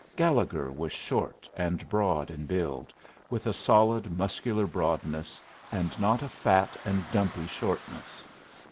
Gallegher was short and broad in build, with a solid, muscular broadness, and not a fat and dumpy shortness.